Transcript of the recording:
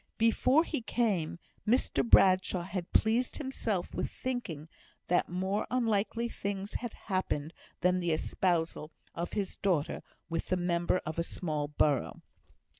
Before he came, Mr Bradshaw had pleased himself with thinking, that more unlikely things had happened than the espousal of his daughter with the member of a small borough.